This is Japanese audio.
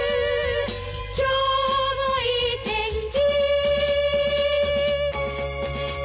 「今日もいい天気」